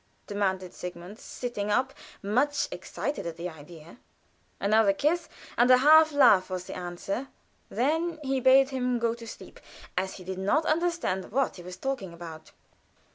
demanded Sigmund, sitting up, much excited at the idea. Another kiss and a half laugh was the answer. Then he bade him go to sleep, as he did not understand what he was talking about.